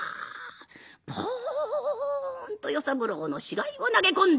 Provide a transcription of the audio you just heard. ポンと与三郎の死骸を投げ込んだ。